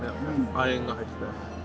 亜鉛が入ってて。